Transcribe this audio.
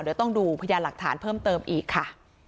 เดี๋ยวต้องดูพยานหลักฐานเพิ่มเติมอีกค่ะ